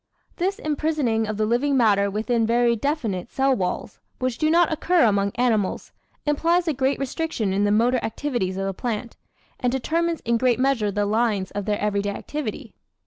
This imprisoning of the living matter within very definite cell walls which do not occur among animals implies a great restriction in the motor activities of the plant, and determines in great measure the lines of their everyday activity.